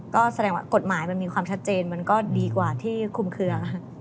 ก็แสดงว่ากฎหมายมันมีความชัดเจนมันก็ดีกว่าที่คุมเคลือ